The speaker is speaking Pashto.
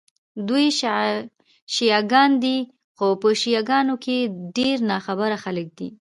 دوی شیعه ګان دي، خو په شیعه ګانو کې ډېر ناخبره خلک دي.